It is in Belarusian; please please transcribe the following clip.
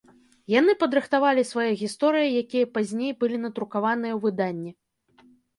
Яны падрыхтавалі свае гісторыі, якія пазней былі надрукаваныя ў выданні.